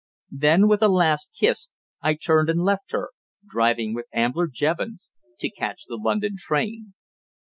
Then with a last kiss I turned and left her, driving with Ambler Jevons to catch the London train.